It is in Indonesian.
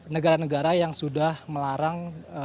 negara negara yang sudah melarang